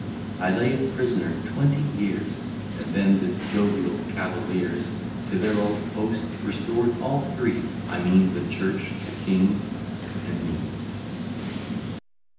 I lay a prisoner twenty years, And then the jovial cavaliers To their old post restored all three I mean the church, the king, and me.